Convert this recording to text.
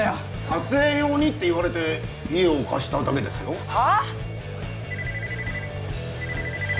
撮影用にって言われて家を貸しただけですよ☎はっ？